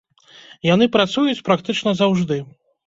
Яны працуюць практычна заўжды.